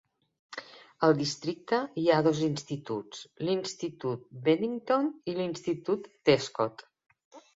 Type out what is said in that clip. Al districte hi ha dos instituts: l'institut Bennington i l'institut Tescott.